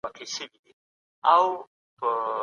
زړو فابريکو ونشو کړای چې د بازار اړتياوې پوره کړي.